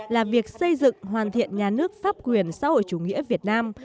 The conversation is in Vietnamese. là việc xây dựng hoàn thiện nhà nước pháp quyền xã hội chủ nghĩa việt nam